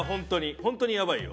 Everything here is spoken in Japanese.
本当にやばいよ。